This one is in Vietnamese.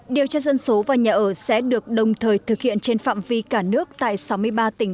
điều tra dân số và nhà ở sẽ được đồng thời thực hiện trên phạm vi cả nước tại sáu mươi ba tỉnh